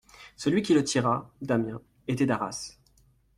Celui qui le tira, Damiens, était d'Arras.